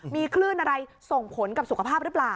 มีคลื่นอะไรส่งผลกับสุขภาพหรือเปล่า